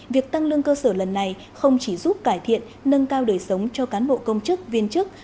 việc tăng lương cơ sở lần này không chỉ giúp cải thiện nâng cao đời sống cho cán bộ công chức viên chức